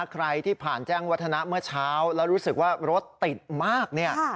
ใครที่ผ่านแจ้งวัฒนะเมื่อเช้าแล้วรู้สึกว่ารถติดมากเนี่ย